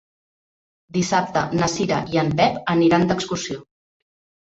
Dissabte na Cira i en Pep aniran d'excursió.